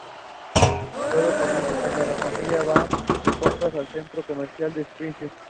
Todo comienza cuando la familia va de compras al centro comercial de Springfield.